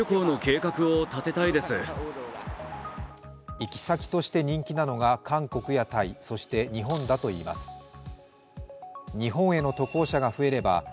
行き先して人気なのが、韓国やタイ、そして日本だといいます。